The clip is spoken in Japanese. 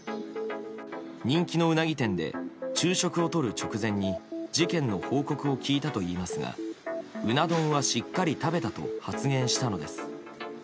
人気のうなぎ店で昼食をとる直前に事件の報告を聞いたといいますがうな丼はしっかり食べたと発言したのです。